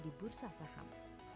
di bursa saham